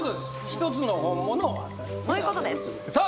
１つの本物を当てるそういうことですさあ